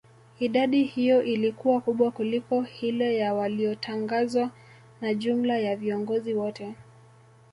idadi hiyo ilikuwa kubwa kuliko hile ya waliyotangazwa na jumla ya viongozi wote